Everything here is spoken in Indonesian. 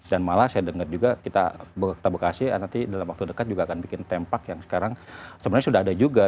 dan malah saya dengar juga kita kota bekasi nanti dalam waktu dekat juga akan bikin tempak yang sekarang sebenarnya sudah ada juga